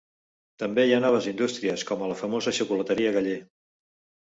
També hi ha noves indústries, com a la famosa xocolateria Galler.